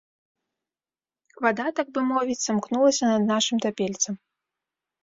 Вада, так бы мовіць, самкнулася над нашым тапельцам.